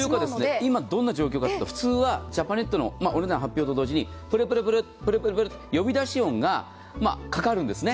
今どんな状況かというと、普通はジャパネットのお値段発表と同時にプルプルプルと呼び出し音がかかるんですね。